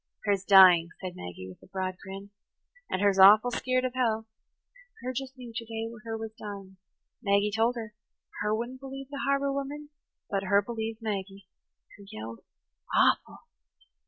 "Her's dying," said Maggie with a broad grin. "And her's awful skeered of hell. Her just knew ter day her was dying. Maggie told her–her wouldn't believe the harbour women, but her believed Maggie. Her yelled awful."